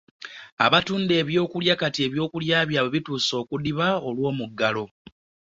Abatunda eby'okulya kati eby'okulya byabwe bituuse okudiba lwa muggalo.